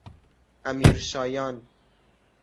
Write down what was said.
امیرشایان